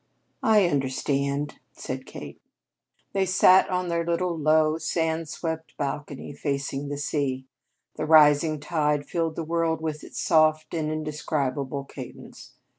"I understand," said Kate. They sat on their little low, sand swept balcony, facing the sea. The rising tide filled the world with its soft and indescribable cadence.